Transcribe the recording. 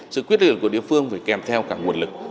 sự quyết liệt của địa phương phải kèm theo cả nguồn lực